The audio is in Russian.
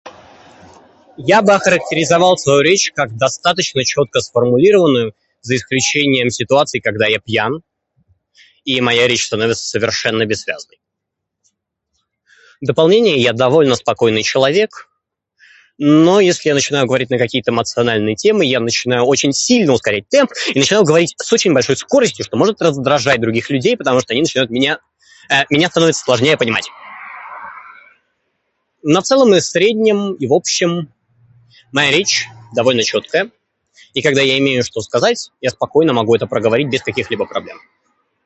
Я бы охарактеризовал свою речь как достаточно чётко сформулированную, за исключением ситуаций, когда я пьян, и моя речь становится совершенно бессвязной. В дополнение я довольно спокойный человек, но если я начинаю говорить на какие-то эмоциональные темы, я начинаю очень сильно ускорять темп, и начинаю говорить с очень большой скоростью, что может раздражать других людей, потому что они начинают меня, [disfluency|э]... меня становится сложнее понимать. Но в целом и в среднем и в общем моя речь довольно чёткая, и когда я имею что сказать, я спокойно могу это проговорить без каких-либо проблем.